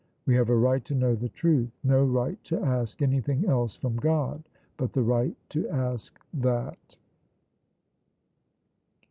We have a right to know the truth; no right to ask anything else from God, but the right to ask that.